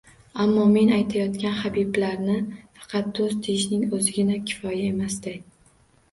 Ammo men aytayotgan habiblarni faqat do‘st deyishning o‘zigina kifoya emasday.